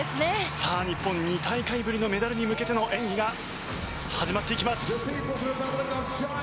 日本、２大会ぶりのメダルに向けての演技が始まっていきます。